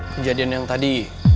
kejadian yang tadi